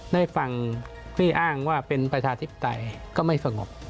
ในฝั่งที่อ้างว่าเป็นประชาธิปไตยก็ไม่สงบ